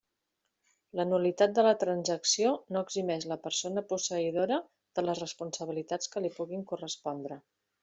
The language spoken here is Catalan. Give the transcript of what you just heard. La nul·litat de la transacció no eximeix la persona posseïdora de les responsabilitats que li puguin correspondre.